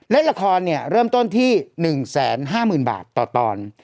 เล่นละครเริ่มต้นที่๑๕๐๐๐บาทต่อตอน